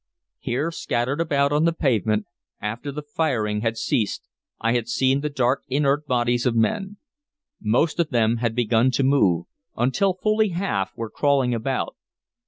Here scattered about on the pavement, after the firing had ceased, I had seen the dark inert bodies of men. Most of them had begun to move, until fully half were crawling about.